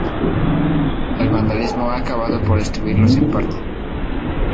El vandalismo, ha acabado por destruirlos en parte.